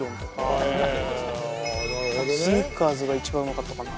あとスニッカーズが一番うまかったかな。